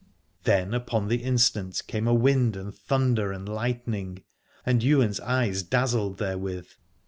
Then upon the instant came a wind and thunder and lightning, and Ywain's eyes dazzled therewith.